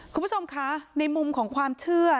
คุณผู้ชมคะในมุมของความเชื่อ